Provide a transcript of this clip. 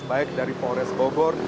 baik dari polres bogor